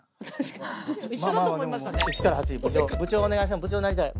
もう部長になりたい。